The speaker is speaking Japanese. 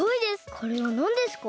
これはなんですか？